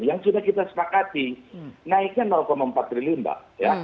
yang sudah kita sepakati naiknya empat triliun mbak